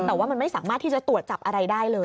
แต่ว่ามันไม่สามารถที่จะตรวจจับอะไรได้เลย